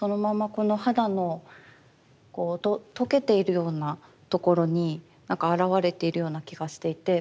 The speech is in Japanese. この肌のこう溶けているようなところになんか表れているような気がしていて。